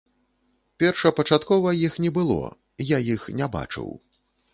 Першапачаткова іх не было, я іх не бачыў.